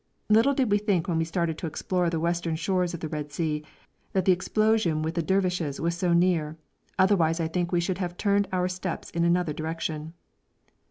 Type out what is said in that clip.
Little did we think when we started to explore the western shores of the Red Sea that the explosion with the Dervishes was so near, otherwise I think we should have turned our steps in another direction.